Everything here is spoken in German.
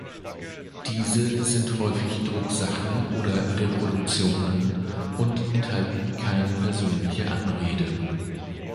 Diese sind häufig Drucksachen oder Reproduktionen und enthalten keine persönliche Anrede.